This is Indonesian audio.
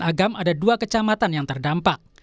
agam ada dua kecamatan yang terdampak